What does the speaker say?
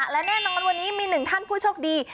และแน่นอนวันนี้มีหนึ่งท่านผู้โชคดี